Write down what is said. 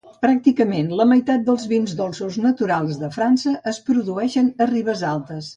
Pràcticament la meitat dels vins dolços naturals de França es produeixen a Ribesaltes.